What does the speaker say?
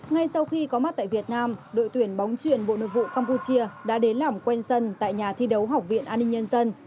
ngay sau khi có mặt tại việt nam đội tuyển bóng truyền bộ nội vụ campuchia đã đến làm quen dân tại nhà thi đấu học viện an ninh nhân dân